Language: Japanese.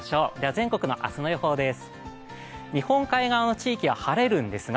全国の明日の予報です。